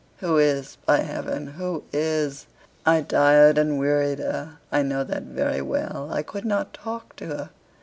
Who is by heaven, who is? I tired and wearied her, I know that very well. I could not talk to her.